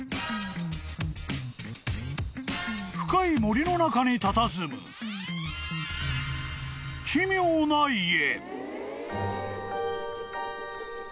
［深い森の中にたたずむ奇妙な家］